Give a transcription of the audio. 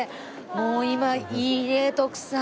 もう今いいねえ徳さん。